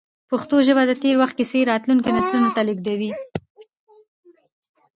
پښتو ژبه د تېر وخت کیسې راتلونکو نسلونو ته لېږدوي.